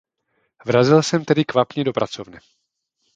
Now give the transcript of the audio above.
Vrazil jsem tedy kvapně do pracovny.